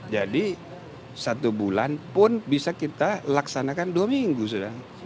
jadi satu bulan pun bisa kita laksanakan dua minggu sudah